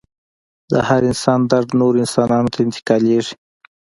د هر انسان درد نورو انسانانو ته انتقالیږي.